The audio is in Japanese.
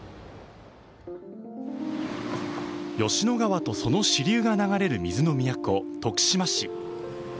吉野川とその支流が流れる水の都・徳島市。